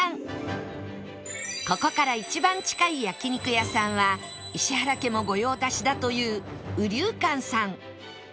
ここから一番近い焼肉屋さんは石原家も御用達だというウリュウカンさん